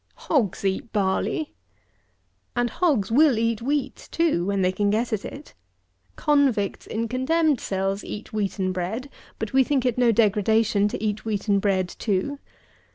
"Hogs eat barley." And hogs will eat wheat, too, when they can get at it. Convicts in condemned cells eat wheaten bread; but we think it no degradation to eat wheaten bread, too.